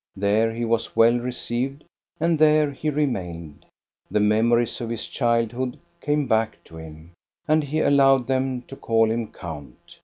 There he was well received, and there he remained. The memories of his childhood came back to him, and he allowed them to call him count.